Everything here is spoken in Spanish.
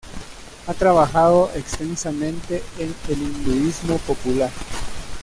Ha trabajado extensamente en el hinduismo popular.